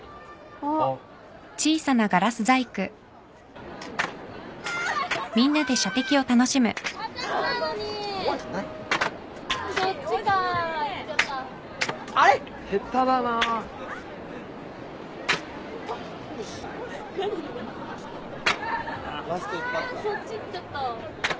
あそっち行っちゃった。